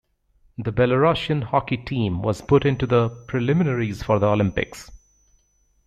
The Belorussian hockey team was put into the preliminaries for the Olympics.